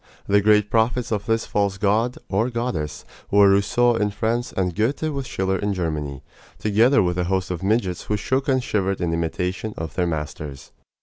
The great prophets of this false god, or goddess, were Rousseau in France and Goethe with Schiller in Germany, together with a host of midgets who shook and shivered in imitation of their masters.